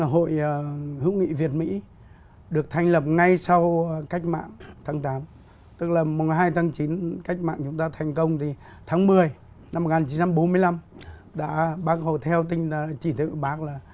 hội hữu nghị việt mỹ được thành lập ngay sau cách mạng tháng tám tức là mùng hai tháng chín cách mạng chúng ta thành công thì tháng một mươi năm một nghìn chín trăm bốn mươi năm đã bác hồ theo chỉ thị của bác là